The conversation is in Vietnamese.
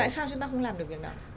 tại sao chúng ta không làm được việc đó